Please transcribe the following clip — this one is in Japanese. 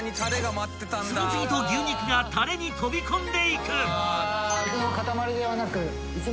［次々と牛肉がたれに飛び込んでいく］